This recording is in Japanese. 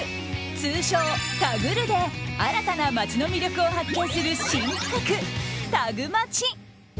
通称タグるで新たな街の魅力を発見する新企画、タグマチ。